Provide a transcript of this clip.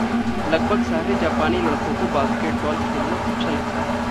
लगभग सारे जापानी लड़कों को बास्केटबॉल खेलना अच्छा लगता है।